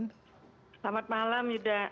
selamat malam yuda